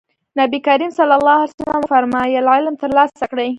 نبي کريم ص وفرمايل علم ترلاسه کړئ.